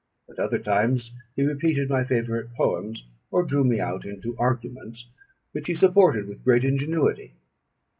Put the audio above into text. At other times he repeated my favourite poems, or drew me out into arguments, which he supported with great ingenuity.